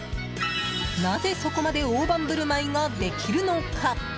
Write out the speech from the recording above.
なぜ、そこまで大盤振る舞いができるのか。